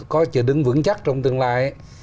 có chỗ đứng vững chắc trong tương lai